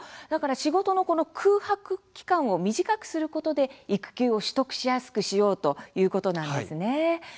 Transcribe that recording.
仕事の空白期間を短くすることで育休を取得しやすくしようということなんですね。